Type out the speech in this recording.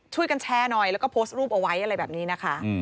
ช่วยกันแชร์หน่อยแล้วก็โพสต์รูปเอาไว้อะไรแบบนี้นะคะ